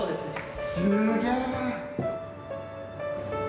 すげえ。